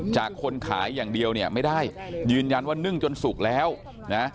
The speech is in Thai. คนขายอย่างเดียวเนี่ยไม่ได้ยืนยันว่านึ่งจนสุกแล้วนะ